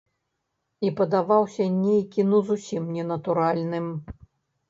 І падаваўся нейкі ну зусім ненатуральным.